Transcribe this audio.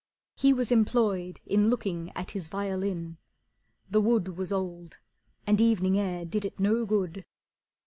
He was employed In looking at his violin, the wood Was old, and evening air did it no good.